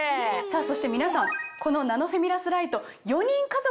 そして皆さんこのナノフェミラスライト。